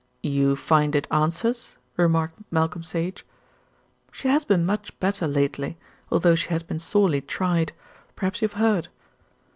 "You find it answers?" remarked Malcolm Sage. "She has been much better lately, although she has been sorely tried. Perhaps you have heard."